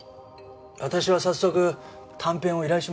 私は早速短編を依頼しました。